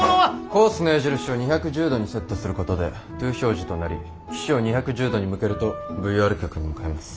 コースの矢印を２１０度にセットすることでＴＯ表示となり機首を２１０度に向けるとＶＯＲ局に向かえます。